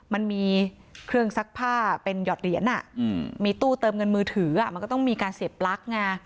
มันมีเครื่องซักผ้าเป็นหยอดเหรียญมีตู้เติมเงินมือถือมันก็ต้องมีการเสียบปลั๊กไง